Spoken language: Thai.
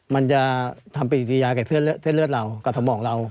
มันจะทำปฏิกิริยากับเส้นเลือดเรากับสมองเรา